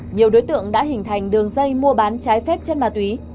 nhiều đối tượng đã hình thành đường dây mua bán trái phép trên mặt túy